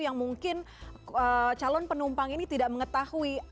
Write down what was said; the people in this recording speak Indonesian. yang mungkin calon penumpang ini tidak mengetahui